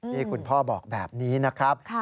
นี่คุณพ่อบอกแบบนี้นะครับ